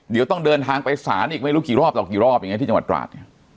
เดี๋ยวต้องเดินทางไปศาลอีกไม่รู้กี่รอบต่อกี่รอบอย่างนี้ที่จังหวัดตราดไง